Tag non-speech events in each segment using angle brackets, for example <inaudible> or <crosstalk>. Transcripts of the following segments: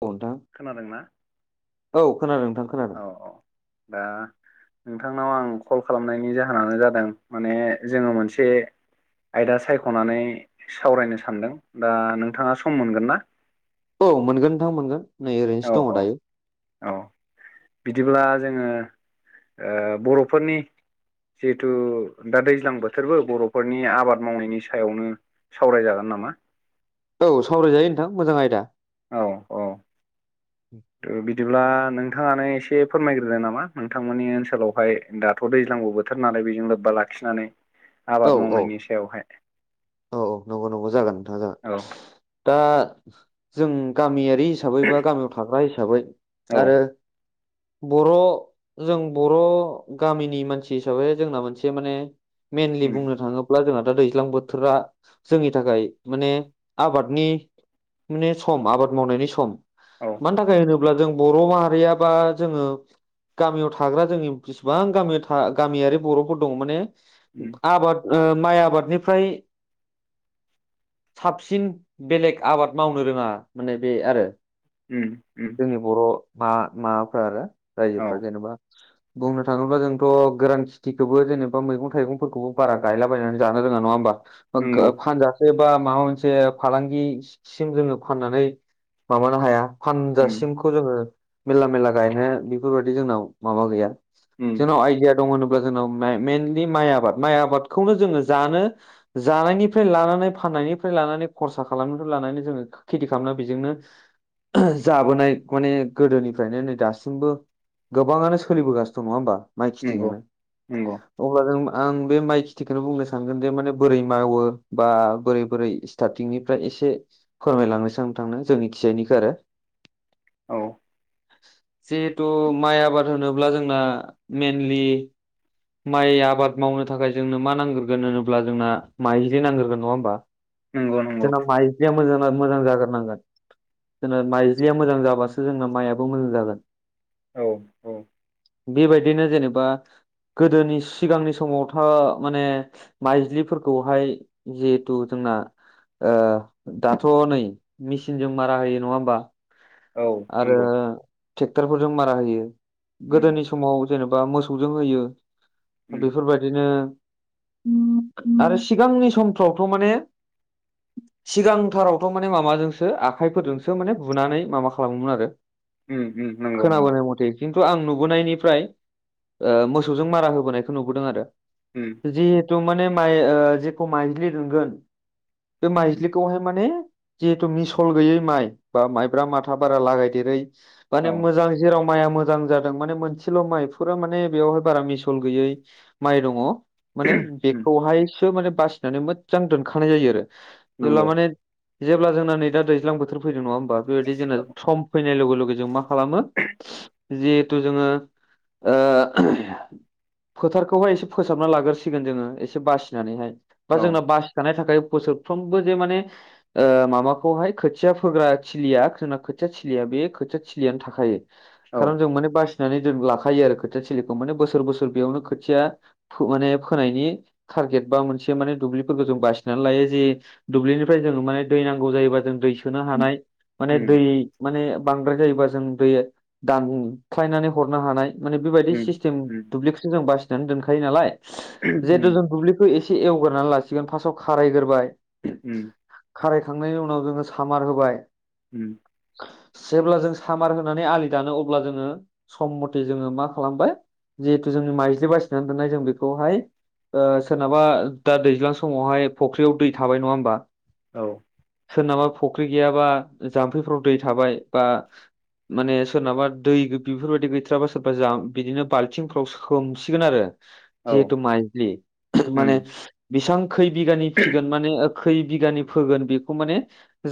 औ नोंथां खोनादोंना औ खोनादों नोंथां औ खोनादों। औ दा नोंथांनाव आं कल खालामनायनि जाहोनानो जादों माने जोङो मोनसे आयदा सायख'नानै सावरायनो सानदों दा नोंथाङा सम मोनगोन ना? औ मोनगोन नोंथां मोनगोन नै ओरैन्स औ दङ औ दायो। औ बिदिब्ला जोङो बर'फोरनि जिहेथु दा दैज्लां बोथोरबो बर'फोरनि आबाद मावनायनि सायावनो सावरायजागोन नामा? औ सावरायजायो नोंथां मोजां आयदा। औ औ। उ <inaudible> बिदिब्ला नोंथाङानो एसे फोरमायग्रो नामा नोंथांमोननि ओनसोलावहाय दाथ' दैज्लां बोथोर नालाय बेजों लोब्बा लाखिनानै औ आबाद औ मावनायनि सायावहाय औ औ नंगौ नंगौ जागोन नोंथाङ जागोन। औ दा जों गामियारि हिसाबै बा गामियाव थाग्रा हिसाबै औ आरो बर' जों बर' गामिनि मानसि हिसाबै जोंना मोनसे माने मेनलि उम बुंनो थाङोब्ला अब्ला जोंहा दा दैज्लां बोथोरा जोंनि थाखाय माने आबादनि माने सम आबाद मावनायनि सम औ मानि थाखाय होनो ब्ला जों बर' माहारिया बा जोङो गामियाव थाग्रा जोंनि बिसिबां गामियाव गामियारि बर'फोर दङ माने उम आबाद ओ माइ आबादनिफ्राय साबसिन बेलेग आबाद मावनो रोङा माने बे आरो। उम उम। जोंनि बर' मा माबाफ्रा आरो औ रायजोफ्रा जेनेबा बुंनो थाङोब्ला जोंथ' गोरान खेथिखौबो जेनेबा मैगं थाइगं फोरखौबो बारा गायलाबायनानै जानो रोङा नङा होमबा। ओ गो नंगौ फानजा एबा माबा मोनसे फालांगि सिम जोङो फाननानै माबानो हाया। उम फानजासिमखौ जोङो मेरला मेरला गायनो बेफोरबायदि जोंनाव माबा गौया। उम जोंनाव आइडिया दं होनोब्ला जोंनाव मे मेनलि माइ आबाद। माइ आबादखौनो जोङो जानो जानायनिफ्राय लानानै फाननायनिफ्राय लानानै खरसा खालामनायनिफ्राय लानानै जोङो खेथि खालामना बेजोंनो जाबोनाय अनेख गोदोनिफ्रायनो नै दासिमबो गोबाङानो सोलिबोगासिनो दं नङा होमबा माइ नंगौ खिथिजोंनो। नंगौ अब्ला जों मा आं बे माइ खिथिखौनो बुंनो सानगोन जे माने बोरै मावो बा बोरै बोरै स्टारटिंनिफ्राय एसे फोरमायलांनोसां नोंथांनो जोंनि खिजाइनिखौ आरो। औ जिहेथु माइ आबाद होनोब्ला जोंना मइेनलि माइ आबाद मावनो थाखाय जोंनो मा नांग्रोगोन होनोब्ला जोंना माइज्लि नांग्रोगोन नङा होमबा। नंगौ नंगौ जोंनाव माइज्लिया मोजांना मोजां जाग्रो नांगोन। जोंना माइज्लिया मोजां जाबासो जोंना माइआबो मोजां जागोन। औ औ। बेबायदिनो जेनेबा गोदोनि सिगांनि समावथ' माने माइज्लिफोरखौहाय जिहेथु जोंना ओ दाथ' नै मिसिनजों मारा होयो नङा होमबा। औ आरो नंगौ ट्रेक्टरफोरजों मारा होयो उम गोदोनि समाव जेनेबा मोसौजों होयो। ओ उम बेफोरबा बिदिनो आरो सिगांनि समफ्रावथ' माने सिगांथारावथ' माने माबाजोंसो आखाइफोरजोंसो माने बुनानै माबा खालामोमोन आरो। उम उम नंगौ नंगौ खोनाबोनाय मथे खिन्थु आं नुबोनायनिफ्राय ओ मो सौजों मारा होबोनायखौ नुबोदों आरो। उम। जिहेथु माने माइ ओ जेखौ माइज्लि दोनगोन बे उम माइज्लिखौहाय माने जिहेथु मिसल गैयै माइ बा माइब्रा माथा बारा लागायदेरै औ माने मोजां जेराव माइया मोजां जादों माने मोनसेल' माइ फुरा माने बेवहाय बारा मिसल गैयै माइ दङ। माने उम बेखौहाय बो माने बासिनानै मोजां दोनखानाय जायो आरो। जेब्ला नंगौ माने जेब्ला जोंना नै दा दैज्लां बोथोर फैदों नङा होमबा, बेबायदि जोंना औ सम फैनाय लोगो लोगो जों मा खालामो जिहेथु जोङो ओ फोथारखौहाय एसे फोसाबना लाग्रोसिगोन जोङो एसे बासिनानैहाय बा औ जोंना बा सि थाखाय बोसोरफ्रोमबो जे माने ओ मामाखौहाय खोथिया फोग्रा थिलिया जोंना खोथिया थिलिया बे खोथिया थिलियानो थाखायो। औ खारन जों माने बासिनानै जों लाखायो आरो खोथिया थिलिखौ। माने बोसोर बोसोर बेयावनो खोथिया थु माने फोनायनि टारगेट बा मोनसे माने दुब्लिफोरखौ जों बासिनानै लायो जे दुब्लिनिफ्राय जोंङो माने दै नांगौ जायोबा जों दै सोनो हानाय। माने दै उम माने बांद्राय जायोबा जों दै दानख्लायनानै हरनो हानाय। माने बेबायदि उम सिस्टिम उम दुब्लिखौसो जों बासिनानै दोनखायो नालाय जिहेतु उम जों दुब्लि खौ एसे एवगोरनानै लासिगोन फार्स्टआव खारायग्रोबाय उम खारायखांनायनि उनाव जोङो सामार होबाय। ओ। जेब्ला जों सामार होनानै आलि दानो। अब्ला जोङो सम मथे जोङो मा खालामबाय जिहेथु जोंनि माइजलि बासिनानै दोननाय जों बेखौहाय सोरनाबा दा दैज्लां समावहाय फख्रियाव दै थाबाय नङा होमबा। औ। सोरनाबा फुख्रि गैयाबा जाम्फैफ्राव दै थाबाय बा माने सोरनाबा दै बेफोरबायदि गैथाराबा सोरबा जा बिदिनो बालथिंफोरावव ससिगोन आरोे औ जिहुथे माइज्लि मान उम बेबां खै बिघानि फिगोन। माने खै बिघानि फोगोन। बेखौ माने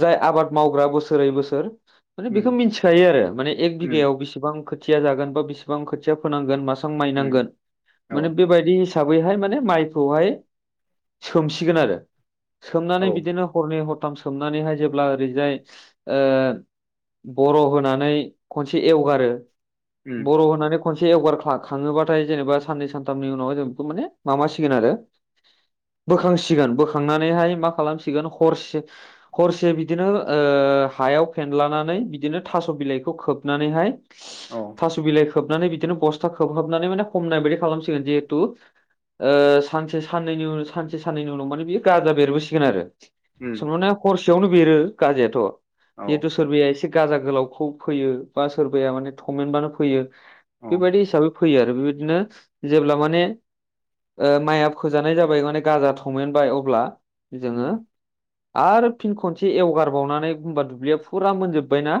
जाय आबाद मावग्रा बोसोरै बोसोर माने बेखौ उम मिथिखायो आरो। माने एक उम बिघायाव बेसेबां खोथिया जागोन बा बेसेबां खोथिया फोनांगोन मास उम नांगोन औ माने बे बायदि हिसाबैहाय माने माइखौहाय सोमसिगोन आरो। सोमनानै औ बिदिनो हरनै हरथाम सोमनानैहाय जेब्ला ओरैजाय बर' होनानै खनसे एवगारो। उम बर' होनानै खनसे एवगार खाङोबाथाय जेनेबा साननै सानथामनि उनाव जों बेखौ माने माबासिगोन आरो बोखांसिगोन बोखांनानैहाय मा खालामसिगोन हरसे हरसे बिदिनो हायाव फेनलानानै बिदिनो थास' बिलाइखौ खोबनानैहाय औ थास' बिलाइ खोबनानै बिदिनो बस्था खोबहाबनानै माने हमनाय बायदि खालामसिगोन जिहेतु सानसे साननैनि उनाव सानसे साननैनि उनाव माने बियो गाजा बेरबोसिगोन आरो। उम सोंबाना हरसेयावनो बेरो गाजियाथ' औ जिहेथु सोरबाया एसे गा गोलावखौ फैयो बा सोरबाया माने थमेनबानो फैयो। बेबायदि हिसाबै फैयो आरो। बे बायदिनो जेब्ला माने माइया फोजानाय जाबाय माने गाजा थमेनबाय अब्ला जोङो उम आरो फिन खनसे एवगारबावनानै हखबा दुब्लिया फुरा मोनजोब्बायना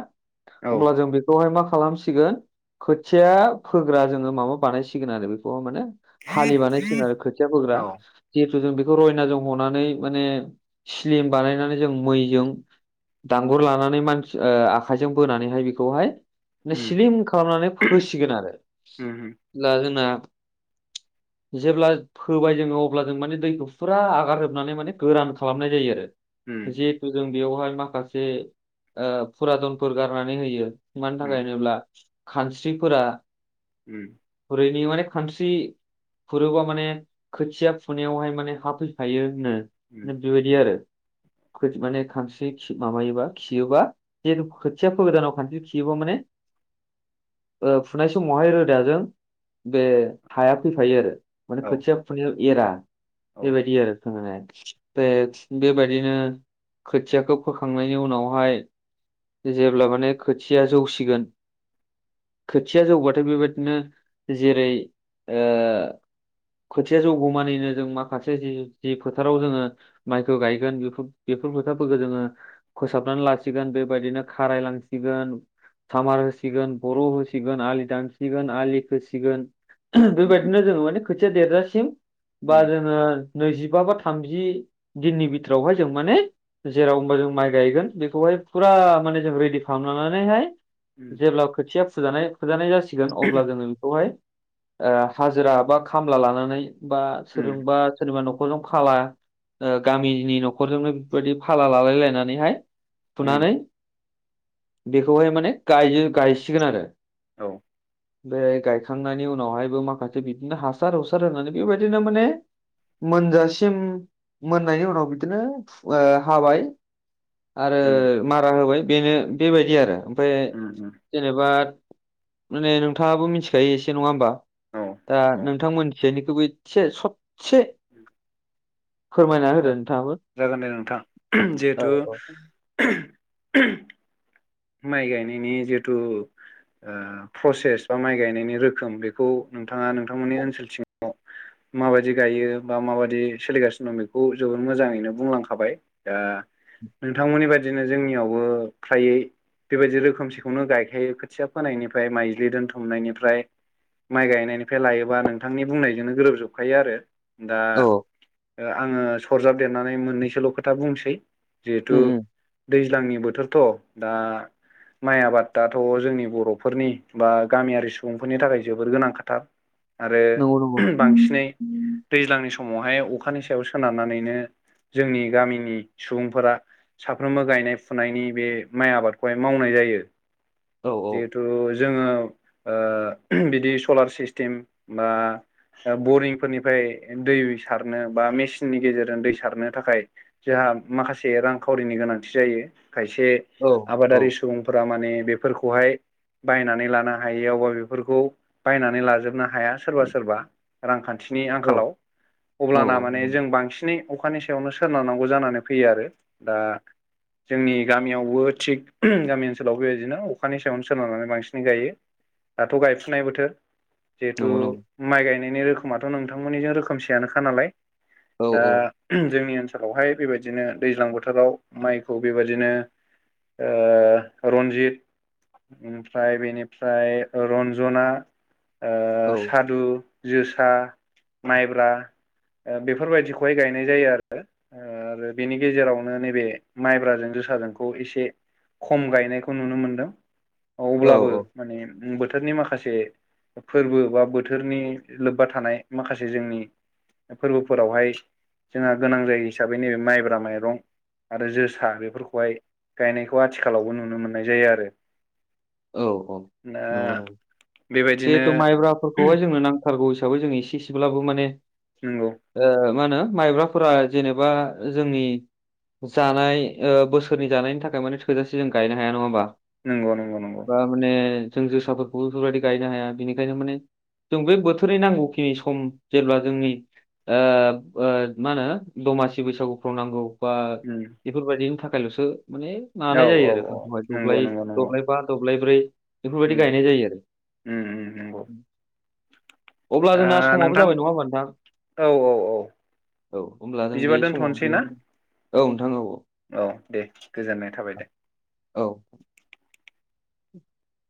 हब्ला जों बेखौहाय मा खालामसिगोन खोथि खोथिया फोग्रा जोङो माबा बानायसिगोन आरो बेखौ माने हालि बानायसिगोन आरो। खोथि खोथिया फोग्रा औ औ जिहेतु जों बेखौ रयनाजों हनानै माने स्लिम बानायनानै जों मैजों दांगुर लानानै मानसि आखाइजों बोनानैहाय बेखौहाय उम स्लिम खालामनानै फोसिगोन आरो। उम दा जोंना जेब्ला फोबाय जोङो अब्ला जों माने दैखौ फुरा आगारजोबनानै माने गोरान खालामनाय जायो आरो। उम जिहेथु जों बेयावहाय माखासे फुरादनफोर गारनानै होयो। मानि थाखाय उम होनोब्ला खानस्रिफोरा ओ। खुरैनि। माने खानस्रि खुरोबा माने खोथिया फुनायावहाय माने हा फैफायो होनो उम बे बायदि उम आरो। माने खानस्रि माबायोबा खियोबा जिहेथु खोथिया गोदानाव खानस्रि खियोब्ला माने फुनाय समावहाय रोदाजों बे हाया फैफायो आरो माने औ खोथिया फुनो एरा। बे औ बायदि आरो। बे बायदिनो खोथियाखौ फोखांनायनि उनावहाय जेब्ला माने खोथिया जौसिगोन खोथिया जौबाथाय बे बायदिनो जेरै- खोथिया जौगौमानिनो जों माखासे जि फोथाराव जोङो माइखौ गायगोन। बेफोर बेफोर फोथारफोरखौ जोङो फोसाबनानै लासिगोन। बे बायदिनो खाराइलांसिगोन, सामार होसिगोन, बर' होसिगोन आलि दानसिगोन आलि खोसिगोन। बे बायदिनो जोङो माने खोथिया देरजासिम बा उम जोङो नैजिबा बा थामजि दिननि बिथोरावहाय जों माने जेराव होमबा जों माइ गायगोन बेखौहाय फुरा माने जों रेडि खालामनानैहाय उम जेब्ला खोथिया फुजानाय-फुजानाय जासिगोन अब्ला जोङो बेखौहाय ओ हाजिरा बा खामला लानानै बा उम सोरजोंबा सोरनिबा न'खरजों फाला गामिनि न'खरजोंनो बेबायदि फाला लालायलायनानैहाय उम फुनानै बेखौहाय माने गायसिगोन आरो। औ बे गायखांनायनि उनावहायबो माखासे बिदिनो हासार हुसार होनानै बेबायदिनो माने मोनजासिम मोननायनि उनाव बिदिनो हाबाय। आरो उम मारा होबाय बेनो बेबायदि आरो ओमफ्राय उम उम। जेनेबा माने नोंथाङाबो मिथिखायो एसे नङा होमबा? औ दा औ नोंथांमोनथियानिखौबो एसे सदसे <inaudible> होदो नोंथाङाबो जागोन दे नोंथां औ जिहेथु औ माइ गायनायनि जिहेतु प्रसेस बा माइ गायनायनि रोखोम बेखौ नोंथाङा नोंथांमोननि ओनसोलथिं माबायदि गायो बा माबायदि सोलिगासिनो दं बेखौ जोबोर मोजाङैनो बुंलांखाबाय। दा नोंथांमोननि बायदिनो जोंनियावबो फ्रायै बेबायदि रोखोमसेखौनो गायखायो खोथिया फोनायनिफ्राय माइज्लि दोनथुमनायनिफ्राय माइ गायनायनिफ्राय लायोबा नोंथांनि बुंनायजोंनो गोरोबजोबखायो आरो दा औ आङो सरजाबदेरनानै मोननैसोल' खोथा बुंसै जिहेथु उम दैज्लांनि बोथोरथ' दा माइ आबादाथ' जोंनि बर'फोरनि बा गामियारि सुबुंफोरनि थाखाय जोबोर गोनां खाथार। नंगौ नंगौ आरो बांसिनै दैज्लांनि समावहाय अखानि सायाव सोनारनानैनो जोंनि गामिनि सुबुंफोरा साफ्रोमबो गायनाय फुनायनि बे माइ आबादखौहाय मावनाय जायो औ औ औ जिहेथु थ' जोङो ओ बिदि सलार सिस्टेम बा बरिंफोरनिफ्राय दै सारनो बा मेचिननि गेजेरजों दै सारनो थाखाय जोंहा माखासे रांखावरिनि गोनांथि जायो खायसे औ आबादारि सुबुंफोरा माने बेफोरखौहाय बायनानै लानो हायियावबा बेफोरखौ बायनानै लाजोबनो ह हाया सोरबा सोरबा रांखान्थिनि आंखालाव अब्लाना माने जों बांसिनै अखानि सायावनो सोनारनांगौ जानानै फैयो आरो दा जोंनि गामियावबो थिग गामि ओनसोलाव बेबायदिनो अखानि सायावनो सोनारनानै बांसिन गायो। दाथ' गायफुनाय बोथोर। जिहेथु नंगौ नंगौ माइ गायनायनि रोखोमाथ' नोंथांमोननिजों रोखोमसेयानोखा नालाय। औ दा जोंनि ओनसोलावहाय बेबायदिनो दैज्लां बोथोराव माइखौ बेबायदिनो ओ रन्जित ओमफ्राय बेनिफ्राय रन्जना, औ सादु जोसा, माइब्रा बेफोरबायदिखौहाय गायनाय जायो आरो। आरो बेनि गेजेरावनो नैबे माइब्राजों जोसाजोंखौ एसे खम गायनायखौ नुनो मोनदों। औ अब्लाबो माने बोथोरनि माखासे फोरबो बा बोथोरनि लोब्बा थानाय माखासे जोंनि फोरबोफोरावहाय जोंहा गोनां जायो हिसाबै नैबे माइब्रा माइरं आरो जोसा बेफोरखौहाय गायनायखौ आथिखालावबो नुनो मोननाय जायो आरो। औ औ दा नंगौ, नंगौ बेबायदिनो जिहेथु माइब्राफोरखौहाय जोंनो नांगौ खारग हिसाबै जों इसे एसेब्लाबो माने नंगौ मा होनो माइब्राफोरा जेनेबा जोंनि जानाय बोसोरनि जानायनि थाखाय माने थोजासे जों गायनो हाया नङा होमबा? नंगौ नंगौ नंगौ। बा माने जों जोसाफोरखौ बेफोरबायदि गायनो हाया बेनिखायनो माने जों बे बोथोरै नांगौखिनि सम जेब्ला जोंनि ओ मा होनो दमासि बैसागुफ्राव नांगौ। बा उम बेफोरबायाददिनि थाखायल'सो माने औ नानाय औ जायो आरो औ दब्लाय नंगौ नंगौ नंगौ दब्लाय दब्लायब्रै उम आरो। उम उम नंगौ। अब्ला दा जोंना समाबो जाबाय नोंथां नङा होमबा नोंथां? औ औ औ हब्ला जों बिदिबा बे समाव दोनथ'नोसै ना बेयाव औ नोंथां औ। औ दे गोजोननाय थाबाय दे। औ। उ <inaudible>